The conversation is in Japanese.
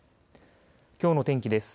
きょうの天気です。